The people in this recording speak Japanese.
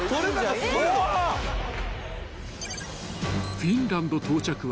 ［フィンランド到着は］